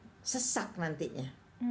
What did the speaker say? menyebabkan dia menjadi sesak nantinya